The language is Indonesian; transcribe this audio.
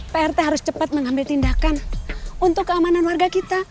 prt harus cepat mengambil tindakan untuk keamanan warga kita